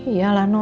iya lah noh